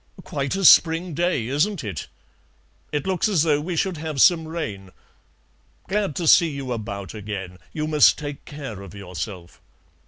"Quite a spring day, isn't it?" "It looks as though we should have some rain." "Glad to see you about again; you must take care of yourself."